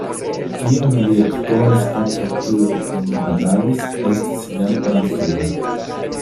Kiam ili ekkonis kontraŭ kiu ili batalis, estis jam malfrue.